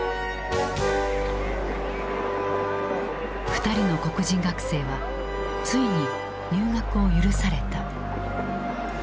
２人の黒人学生はついに入学を許された。